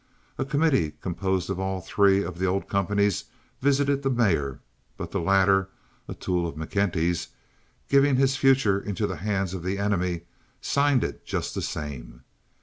A committee composed of all three of the old companies visited the mayor; but the latter, a tool of McKenty, giving his future into the hands of the enemy, signed it just the same.